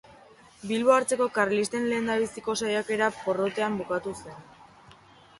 Bilbo hartzeko karlisten lehendabiziko saiakera porrotean bukatu zen.